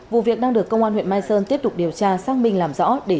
vụ việc đang được công an huyện mai sơn tiếp tục điều tra xác minh làm rõ để xử lý theo quy định